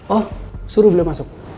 oh suruh beliau masuk